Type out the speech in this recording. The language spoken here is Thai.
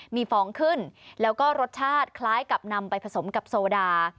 มีฟองขึ้นแล้วก็รสชาติคล้ายกับนำไปผสมกับโซดา